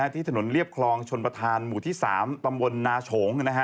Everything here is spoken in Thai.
ที่ถนนเรียบคลองชนประธานหมู่ที่๓ตำบลนาโฉง